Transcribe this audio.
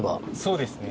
そうですね。